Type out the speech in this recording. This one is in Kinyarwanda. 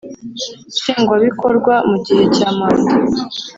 Nshingwa Bikorwa Mu Gihe Cya Manda